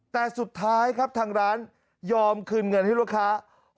แต่สุดท้ายครับทางร้านยอมคืนเงินให้ลูกค้า